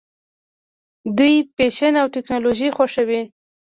دوی فیشن او ټیکنالوژي خوښوي.